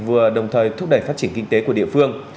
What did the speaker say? vừa đồng thời thúc đẩy phát triển kinh tế của địa phương